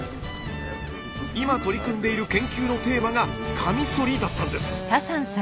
今取り組んでいる研究のテーマが「カミソリ」だったんです。